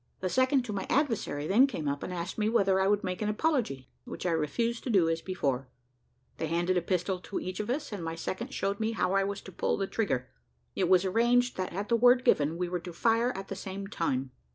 The second to my adversary then came up and asked me whether I would make an apology, which I refused to do as before; they handed a pistol to each of us, and my second showed me how I was to pull the trigger. It was arranged that at the word given, we were to fire at the same time.